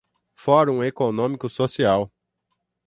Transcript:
Fórum Econômico Social